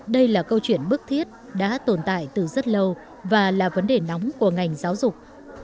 đây là câu chuyện bức thiết đã tồn tại từ rất lâu và là vấn đề nóng của ngành giáo dục